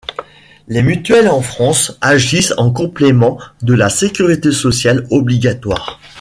Les mutuelles en France agissent en complément de la sécurité sociale obligatoire.